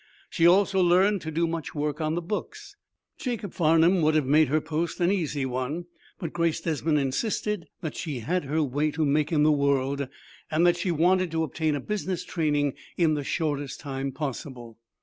She also learned to do much work on the books. Jacob Farnum would've made her post an easy one, but Grace Desmond insisted that she had her way to make in the world, and that she wanted to obtain a business training in the shortest time possible.